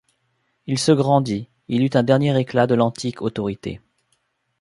Il se grandit, il eut un dernier éclat de l’antique autorité.